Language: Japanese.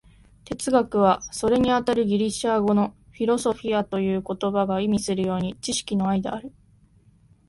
哲学は、それにあたるギリシア語の「フィロソフィア」という言葉が意味するように、知識の愛である。